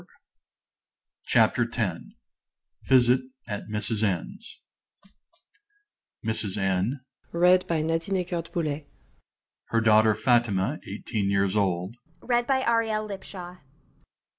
CHAPTER X. VISIT AT MRS. N.'S. MRS. N. Her daughter FATIMA, eighteen years old.